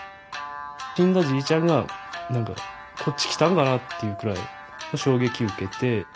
死んだじいちゃんが何かこっち来たんかなっていうくらい衝撃受けて。